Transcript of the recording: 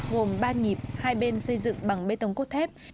gồm ba nhịp hai bên xây dựng bằng bê tông cốt thép